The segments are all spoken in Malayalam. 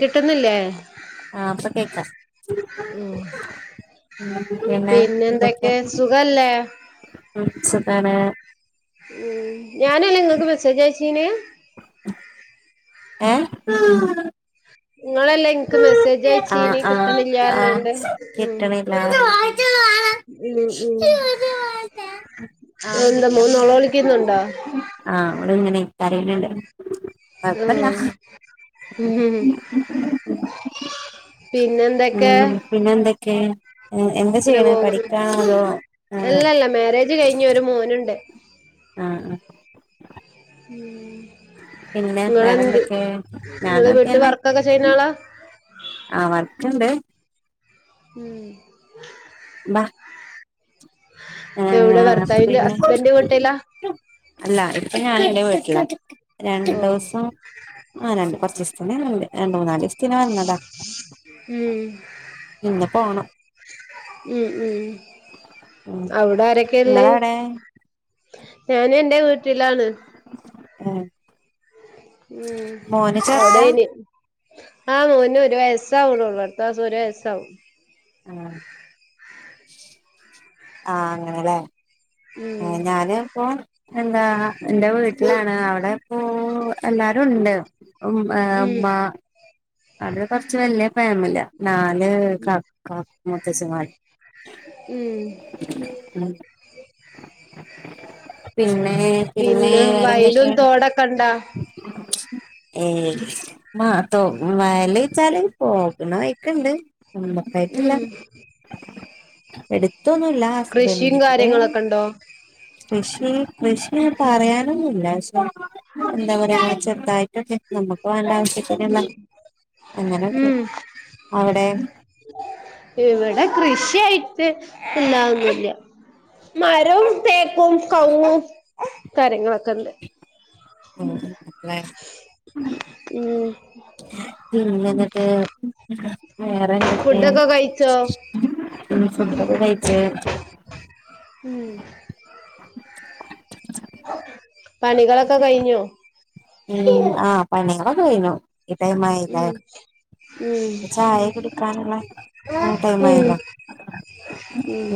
കിട്ടുന്നില്ലേ ആഹ് ഇബടെ കേക്കാം ഉം പിന്നെ എന്തെക്കെ എന്തൊക്കെ സുഖല്ലേ ഉം സുഖാണ്. ഉം ഞാനല്ലേ ഇങ്ങക്ക് മെസ്സേജ് അയച്ചീന് ഏഹ്? ഇങ്ങളല്ലേ ഇൻക്ക് മെസ്സേജയ്ച്ചിനി ആഹ് കിട്ട്ണില്ല്യാർ ആഹ് ഞ്ഞാണ്ട് ഉം കിട്ടണില്ല ഉം ഉം ആഹ് എന്താ പിന്നെ മോൻ നോളോളിക്ക്ന്ന്ണ്ടോ? ഓള് ങ്ങനെ കരിണ് ണ്ട്. ഏഹ് ഉം പിന്നെന്തെക്കെ? അങ്ങനെ പോകുന്നു ആഹ് അല്ലല്ല മാരേജ് കഴിഞ്ഞ് ഒര് മോന്ണ്ട്. ആഹ് ആഹ് ഉം ഇങ്ങളെന്ത് വേറെന്തൊക്കെ ഞാനും ഇങ്ങള് അത് വീട്ട് തന്നെ വർക്കൊക്കെ ചെയ്യ്ണാളാ? ആഹ് വർക്ക്ണ്ട്. ഉം ബ എവ്ടെ ഭർത്താവിൻ്റെ പിന്നെ ഹസ്ബെൻഡിൻ്റെ വീട്ടിലാ? അല്ല ഇപ്പൊ ഞാന് ഇന്റെ വീട്ടില ഓഹ് രണ്ടുസം ആ രണ്ട് കൊർ ച്ചീസത്തിന്ണ്ട് രണ്ട് മൂന്നാലീസ്ത്തിന് വന്നതാ ഉം ഇന്ന് പോണം. ഉം ഉം ഉം അവിടെ ആരൊക്കെയയുള്ളെ നിങ്ങളവിടെ ഞാന് എന്റെ വീട്ടിലാണ് ഏഹ ഉം അവിടെ ഇനി - ആഹ് മോന് ഒരു വയസ് ആവണുള്ളൂ അടുത്ത മാസം ഒരു വയസ് ആവും ആഹ ആഹ അങ്ങനെല്ലേ ഉം ആ ഞാന് ഇപ്പോ എന്താ എന്റെ വീട്ടിലാണ് അവിടെ- ഓ എല്ലാരും ഉണ്ട് ഉ ഉം അമ്മ അവിടെ കൊറച്ച് വലിയ ഫാമിലിയ നാല് [unintelligible] മുത്തച്ചിമാര് ഉം പിന്നെ പിന്നെ വയലും വേറെന്തൊക്കെയാ തോടൊക്കെ ഉണ്ടോ ഉണ്ടോ ഏ മാത്തോ വയല് ച്ചാല് പോകണ വഴിക്കണ്ട് നമ്മക്കായിട്ടില്ല ഉം എടുത്തൊന്നുംല്ല കൃഷിയും ഹസ്ബന്റിന്റെ കാര്യങ്ങളൊക്കെ ഉണ്ടോ കൃഷി കൃഷി പറയാനൊന്നുമില്ല പക്ഷെ എന്താ പറയാ ആച്ച ഇതായിട്ടെ നമുക്ക് വേണ്ട ആവശ്യത്തിന് ഉം അവിടെ എവിടെ കൃഷി യിട്ട് എല്ലാവന്നില്ല മരവും തേക്കും കവുങ്ങും കാര്യങ്ങളൊക്കെണ്ട് ഉ അല്ലേ ഉം എ വേറെന്തക്കെ ഫുഡൊക്കെ കഴിച്ചോ ഫുഡൊക്കെ കഴിച്ച് ഉം പണികളൊക്കെ കഴിഞ്ഞോ ഉം ആഹ് പണികള് കഴിഞ്ഞു ഈ ടൈമായില്ലെ ഉം ഉം ചായ കിടുക്കാനുള്ള ടൈമ് ആയില്ല ഉം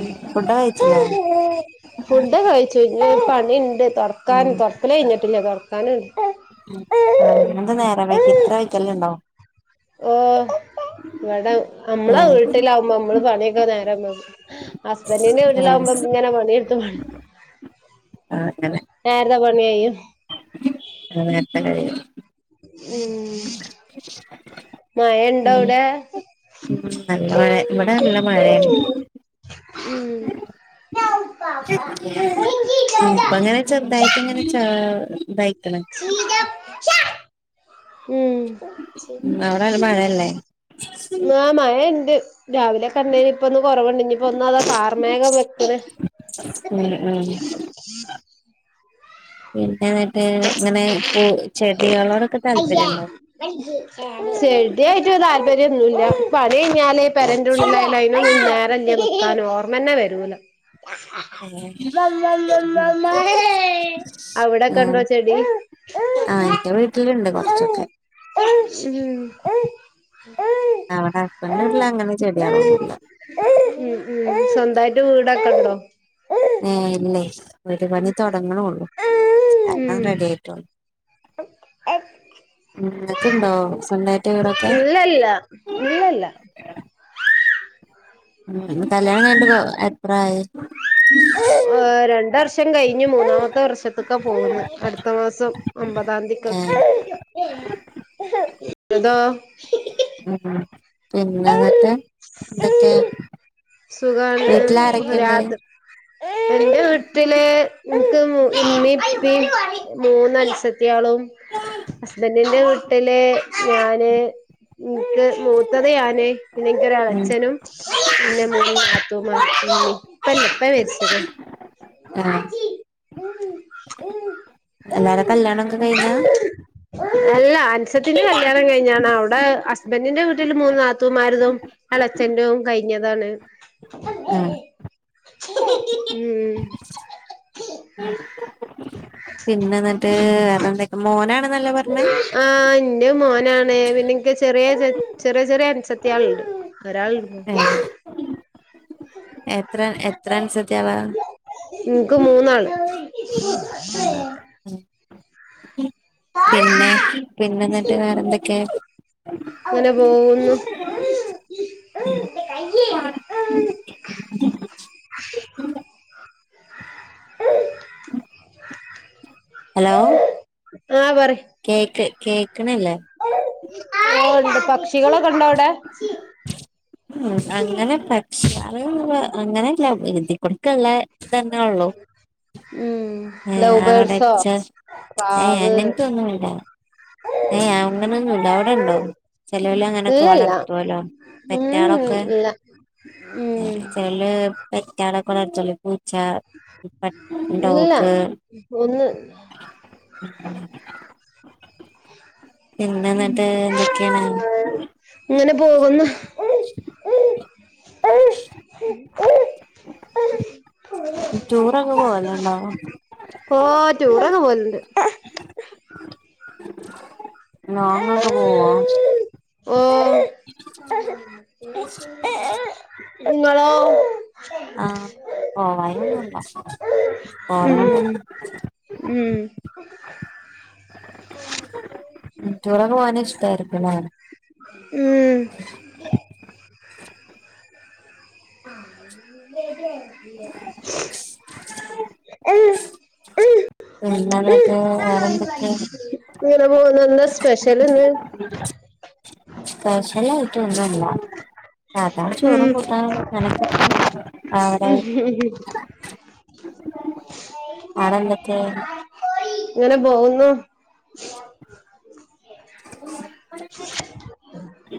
ഫുഡ് കഴിച്ചു [unintelligible] ണിണ്ട് തൊടക്കാൻ തൊടക്കല് കഴിഞ്ഞിട്ടില്ല തൊടക്കാനുണ്ട് ആ എന്താ നേരം വൈകി ഇത്ര വൈക്കല്ലാംണ്ടോ ഓ ഇവിടെ നമ്മളാ ഉം വീട്ടിലാവുമ്പോ നമ്മള് പണിയൊക്കെ നേര പോ ഹസ്ബൻറിന്റെ ആഹ് വീട്ടിലാവുമ്പോ ഇങ്ങനെ പ ണിയെടുത്ത മണി അങ്ങനെ നേരത്തെ പണി കയ്യും അ ഉം മഴ ഉണ്ടോ അവിടെ നല്ല മഴ ഇവിടെ നല്ല മഴയാണ് ഇപ്പ അങ്ങനെ ചെറുതായി ങ്ങനെ ചാ േ [inaudible] ഉം അവിടെ നല്ല മഴയല്ലേ ആ മഴ ണ്ട് രാവിലെ കണ്ടേന് ഇപ്പ ഒന്ന് കൊറവണ്ട ഒന്ന അതാ കാർമേഗം വെക്കണ് ഉം ഉം പിന്നെ എന്നിട്ട് ഇങ്ങനെ ചെടികളോടൊക്കെ [inaudible] താല്പര്യണ്ടോ ചെടിയായിട്ട് താല്പര്യംന്നുല്ല പണി കഴിഞ്ഞാല് പെരറ് ന്റുള്ളിലായാല് നേരല്ലനിക്കാന് ഓർമ്മന്നെ വരൂലോ ഏഹ് അവിടെ ഉം കണ്ടോ ചെടി ആഹ് എന്റെ വീട്ടിലുണ്ട് കൊറച്ചൊക്കെ ഉം അവടെ ഹസ്ബൻഡട്ടില അങ്ങനെ ചെടികളൊന്നുമില്ല സ്വന്തമായിട്ട് വീടൊക്കെണ്ടോ ആ ഏ ഇല്ലേ ഒരു പണി തുടങ്ങും ഉള്ളു കണ്ടം ഉം റെഡി ആയിട്ടള്ളൂ ങ്ങക്കണ്ടോ സൊന്തായിട്ട് വിടൊക്കെ ഇല്ല ല്ല കല്യാണം കയ് ഞ്ഞിട്ടിപ്പോ എത്രായി [inaudible] രണ്ട് വർഷം കഴിഞ്ഞ് മൂന്നാമത്തെ വർഷത്തൊക്കെ പോകുന്നു അടുത്ത മാസം ഒമ്പതാം തിയതിക്കൊ ഏ ങ്ങൾതോ ഉം പിന്നെ എന്നിട്ട് എന്തൊക്കെയ സുഖാണ് രാത്ര എറെ വീട്ടിലെ ക്ക് ഇൻക് ഇമ്മീ പ്പീമ് മൂന്ന അത്സത്തിയാളും ഹസ്ബൻറിന്റെ വീട്ടില് ഞാന് ഇനിക്ക് മൂത്തത് പിെനെക്ക് ഒര ഉം എളഅച്ഛനും പി ന്നേ മൂന്ന് നാത്തൂൻ മാരും ഇപ്പല്ല ഇപ്പ മരിച്ച ആ ആഹ എല്ലാരും കല്യാണം ഒക്കെ കഴിഞ്ഞ എല്ല അ അച്ഛത്തിന്റെ കല്യാണം കഴിഞ്ഞാണ് അവിടെ ഹസ്ബൻറിിന്റെ വീട്ടിൽ മൂന്ന് നാത്തുമാരിതും എളെച്ഛന്റെറും കൈ പിഞ്ഞതാണ് ഉ ആഹ് പിന്നെ എന്നിട്ട് വേറെ എന്തക്കെ മോനാണ് ആഹ എന്റ മോന പിന്നാണ് പിന്നെഎനിക്ക് ചെറിയ ച ചെറിയ ചെറിയ അൻസത്തിഏൾണ്ട് ഒരാൾണ്ട് ഏഹ് എത്ര എത്ര അൻസത്തിളാ എനിക്ക് മൂന്ന് ആള് ആന്ന് പിന്നെ പിന്നെ എന്നിട്ട് വേറെ എന്തൊക്കെ ഇങ്ങനെ പോകുന്നു ഹലോ ആ പറ കേക്കണല്ലേ ഓണ്ട് പക്ഷികളൊക്കെ ഇണ്ടോ അവിടെ ഉ അങ്ങനെ പക്ഷ അങ്ങനെല്ല എഴുതിക്കൊടുക്കല്ല ഇ തന്നെ ഉള്ളു ഉം ഏ ലവ് ബേർഡ്സോ അവിടെച്ചാ ഏ പ്രാവ് എങ്ങന തൊന്നുംല്ല ഏ അങ്ങനൊന്നുംല്ല അവിടെണ്ടോ ചേലോല് അങ്ങനൊക്കെ ഇല്ലല്ല വളർത്തുവല്ലോ ഉം ഇല്ല ഉം പെറ്റാളൊക്കെല് പെറ്റാളൊക്കെടുച്ചോളി പൂച്ച പ ഇല്ല ഡോഗ് [inaudible] ഒന്ന് പിന്നേ എന്നിട്ട് എന്തൊക്കെയാണ് ഇങ്ങനെ പോകുന്നു ഉം ടൂറങ്ങ് പോവാലണ്ടാവും ഓ ടൂറൊക്കെ പോലുണ്ട് ലോങ്ങൊക്കെ പോവോ ഓ നിങ്ങളോ ആഹ പോവായൊന്നുല്ല പോകല്ണ്ട് ഉം ഉം ടൂർക്കെ പോകാന് ഇഷ്ടായിരികുല്ലേ ഉം പിന്നേ എന്നിട്ട് വേറെന്തക്കെ ഇങ്ങനെ പോകുന്ന എന്താ സ്പെഷ്യൽഇന്ന് അ ശല്ലായിട്ട് ഒണ്ടല്ല സതാ ഉം ചോറും കൂട്ടാനും അങ്ങനെക്കെ ആണന്തൊക്കെ ഇങ്ങനെ പോകുന്നു [inaudible] [inaudible]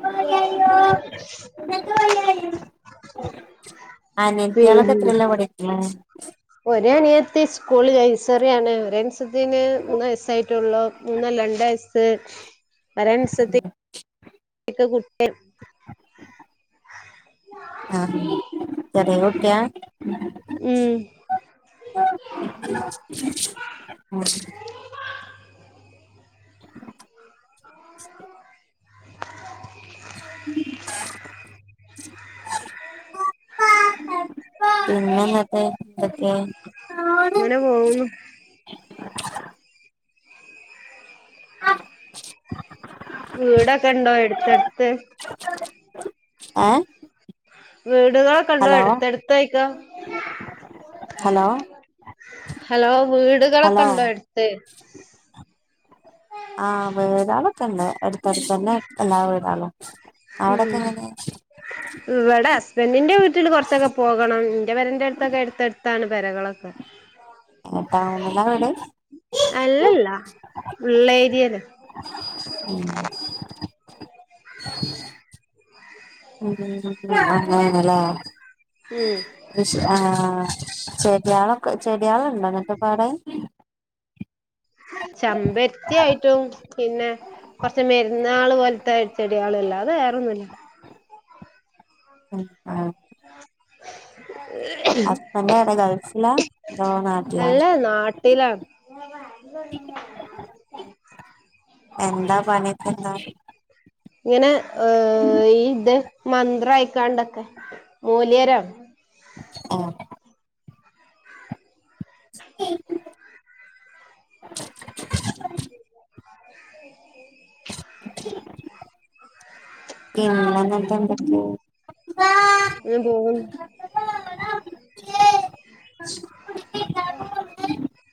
അനിയത്തിയോളക്കെ എത്രയില പഠിക്കണ് ഒര അനിയത്തി സ്കൂള് നൈസറിയാണ് ഒര് അൻസത്തി മൂന്ന് വയസ്സായിട്ടുള്ളൂ മൂന്നല്ല രണ്ട് വയസ്സ് ഒരൻസത്തി കുട്ട ആ ചെറിയ കുട്ടിയാ ഉം [unintelligible] [inaudible] പിന്നെന്തൊക്കെ എന്തൊക്കെ അങ്ങനെ പോകുന്നു വീടൊക്കെ ഇണ്ടോ എടുത്തെടുത്ത് ഏ [unintelligible] വീടുകളൊക്കെ ഉണ്ടോ എടുത്തെടുത്തഴക്ക ഹലോ ഹലോ വീടുകളൊക്കെ ഹലോ ഉണ്ടോ എടുത്ത് ആഹ് വേതാളൊക്കെ ഇണ്ട് അടുത്തടുത്ത് തന്നെ എല്ലാ വേതാളോ അവിടൊക്കെ എങ്ങെ ഇവിടെ ഹസ്ബൻഡിന്റെ വീട്ടിൽ കുറച്ചൊക്കെ പോകണം എന്റെ വരന്റെറ അടുത്തൊക്കെ എടുത്ത്ടുത്താണ് പെര കളൊക്കെ ഏ ടൗണിലാ എവിടെ അല്ലല്ല ഉള്ള ഏരിയല് അ [unintelligible] ഉ അണല്ല ഉം ആഹ ചെടയാളൊക്കെ ചെടയാളുണ്ടോ എന്നിട്ട പാട ചമ്പരത്തി ആയിട്ടും പിന്നെ കൊറച്ച മരുന്നാൾ പോലത്തെ അടിച്ചെടികളല്ല അത് വേറൊന്നുമല്ല ഉ ആഹ ഹസ്ബൻഡ് എവിടെ ഗൾഫിലാ അതോ [unintelligible] നാട്ടിലാ അല്ല നാട്ടിലാ അല്ല [unintelligible] എന്താ പണിപ്പന്താ ഇങ്ങനെ ഏ ഇത് മന്ത്ര അയക്കാണ്ടൊക്കെ മോലിയാരാ ആഹ ഉ ശെ [unintelligible] പിന്നട്ടണ്ട [unintelligible] അ ബ [unintelligible] [unintelligible] ഉ